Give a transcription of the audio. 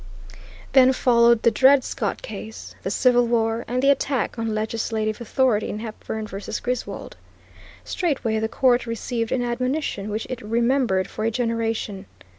Then followed the Dred Scott Case, the Civil War, and the attack on legislative authority in Hepburn v. Griswold. Straightway the Court received an admonition which it remembered for a generation.